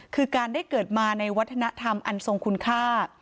คือการได้เกิดมาในวัฒนธรรมอันทรงคุณค่า